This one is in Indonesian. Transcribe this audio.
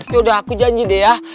yaudah aku janji deh ya